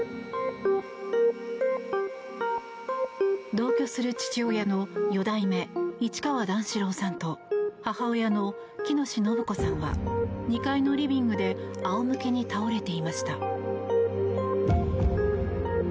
同居する父親の四代目市川段四郎さんと母親の喜熨斗延子さんは２階のリビングであおむけに倒れていました。